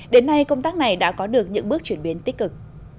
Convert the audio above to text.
đến nay công tác này đã có được những bước chuyển biến tích cực